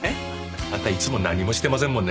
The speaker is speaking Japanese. あなたいつも何もしてませんもんね